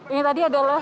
ini tadi adalah